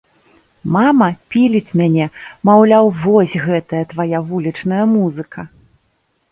Мама піліць мяне, маўляў, вось, гэтая твая вулічная музыка.